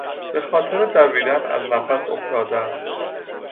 به خاطر دویدن از نفس افتاده است.